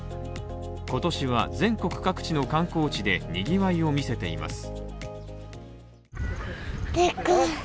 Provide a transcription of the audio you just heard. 今年は全国各地の観光地でにぎわいを見せています。